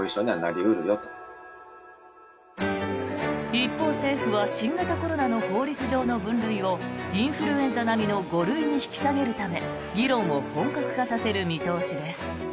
一方、政府は新型コロナの法律上の分類をインフルエンザ並みの５類に引き下げるため議論を本格化させる見通しです。